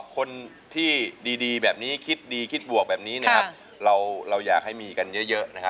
คนที่ดีแบบนี้คิดดีคิดบวกแบบนี้นะครับเราอยากให้มีกันเยอะนะฮะ